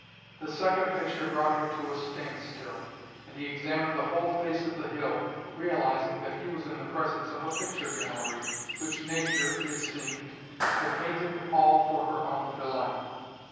The second picture brought him to a standstill, and he examined the whole face of the hill, realizing that he was in the presence of a picture gallery which Nature, it seemed, had painted all for her own delight.